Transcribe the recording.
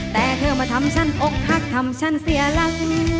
แต่เธอมาทำฉันอกหักทำฉันเสียหลัก